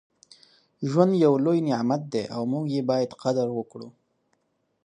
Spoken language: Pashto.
ژوند یو لوی نعمت دی او موږ یې باید قدر وکړو.